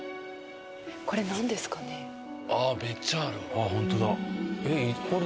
ああホントだ。